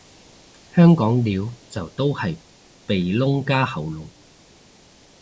香港撩就都係鼻窿加喉嚨